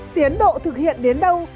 tiến độ thực hiện đến đâu